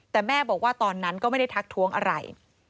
แต่แม่บอกว่าตอนนั้นก็ไม่ได้ทักท้วงอะไร